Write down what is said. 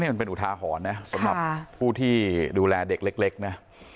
นี่มันเป็นอุทาหอนนะค่ะสำหรับผู้ที่ดูแลเด็กเล็กเล็กนะ